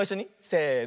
せの。